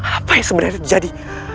apa yang sebenarnya terjadi